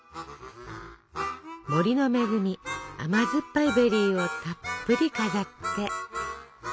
森の恵み甘酸っぱいベリーをたっぷり飾って。